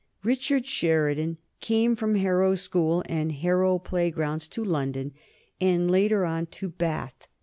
Richard Sheridan came from Harrow School and Harrow playgrounds to London, and, later on, to Bath.